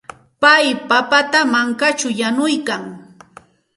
Pay papata mankaćhaw yanuyan.